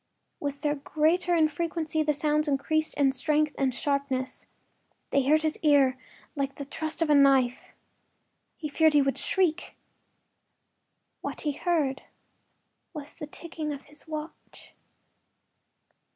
With their greater infrequency the sounds increased in strength and sharpness. They hurt his ear like the thrust of a knife; he feared he would shriek. What he heard was the ticking of his watch.